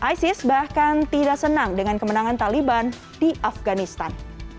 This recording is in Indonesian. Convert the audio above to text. isis bahkan tidak senang dengan kemenangan taliban di afganistan